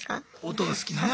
音が好きなね